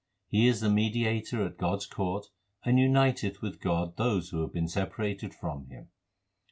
He is the mediator at God s court and uniteth with God those who have been separated from Him.